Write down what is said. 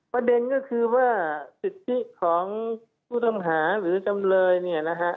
ประเด็นก็คือว่าสิทธิของผู้ต้องหาหรือจำเลยเนี่ยนะฮะ